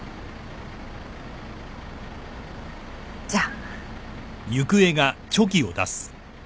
じゃあ。